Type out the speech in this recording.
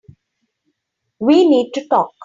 We need to talk.